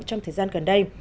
trong thời gian gần đây